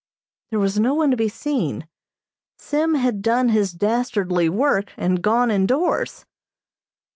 There was no one to be seen. Sim had done his dastardly work, and gone indoors.